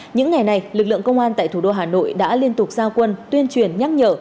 những ngày này lực lượng công an tại thủ đô hà nội đã liên tục giao quân tuyên truyền nhắc nhở